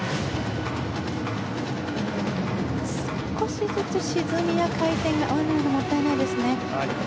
少しずつ沈みや回転が合わないのもったいないですね。